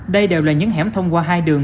đây đều là những hẻm thông qua hai đường